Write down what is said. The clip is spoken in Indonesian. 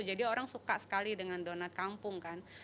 jadi orang suka sekali dengan donat kampung kan